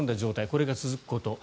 これが続くこと。